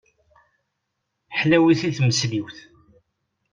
Ḥlawit i tmesliwt.